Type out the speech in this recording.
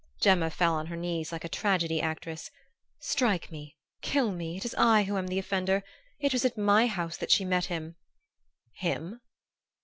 "Gemma fell on her knees like a tragedy actress. 'Strike me kill me it is I who am the offender! It was at my house that she met him ' "'Him?